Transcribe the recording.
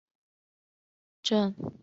砗磲蛤属为砗磲亚科之下两个属之一。